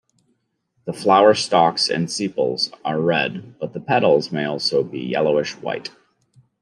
The flower stalks and sepals are red, but the petals may also be yellowish-white.